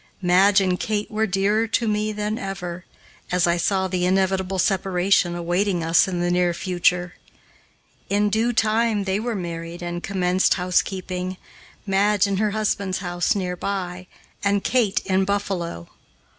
Madge and Kate were dearer to me than ever, as I saw the inevitable separation awaiting us in the near future. In due time they were married and commenced housekeeping Madge in her husband's house near by, and Kate in Buffalo.